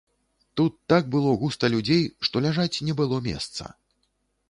Тут так было густа людзей, што ляжаць не было месца.